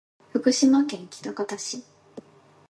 福島県喜多方市